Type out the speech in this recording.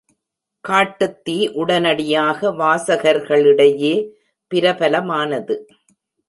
காட்டுத்தீ உடனடியாக வாசகர்களிடையே பிரபலமானது.